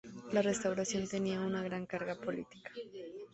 La restauración tenía una gran carga política.